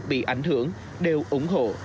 bị ảnh hưởng đều ủng hộ